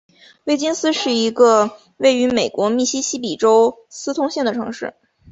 威金斯是一个位于美国密西西比州斯通县的城市。